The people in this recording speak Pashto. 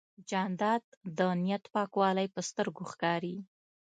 جانداد د نیت پاکوالی په سترګو ښکاري.